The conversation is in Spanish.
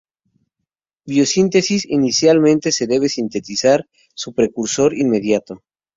Biosíntesis: Inicialmente se debe sintetizar su precursor inmediato.